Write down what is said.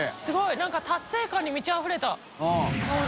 何か達成感に満ちあふれた顔で。